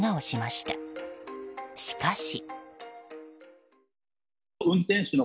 しかし。